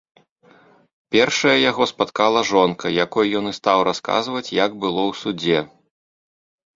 Першая яго спаткала жонка, якой ён і стаў расказваць, як было ў судзе.